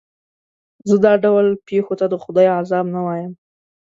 زه دا ډول پېښو ته د خدای عذاب نه وایم.